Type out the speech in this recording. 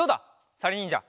さりにんじゃ。